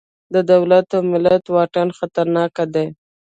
د دولت او ملت واټن خطرناک دی.